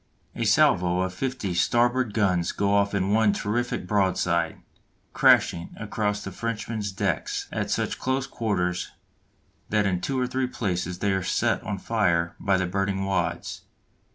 A salvo of fifty starboard guns goes off in one terrific broadside, crashing across the Frenchman's decks at such close quarters that in two or three places they are set on fire by the burning wads.